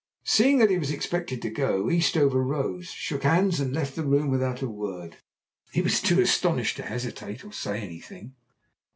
Seeing that he was expected to go, Eastover rose, shook hands, and left the room without a word. He was too astonished to hesitate or to say anything.